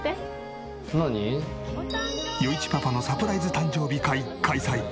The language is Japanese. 余一パパのサプライズ誕生日会開催。